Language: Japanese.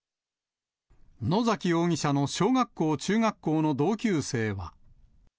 野崎容疑者の小学校、中学校の同級生は。